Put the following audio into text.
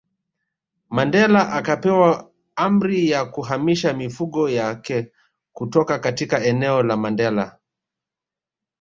Mandela akapewa amri ya kuhamisha mifugo yake kutoka katika eneo la Mandela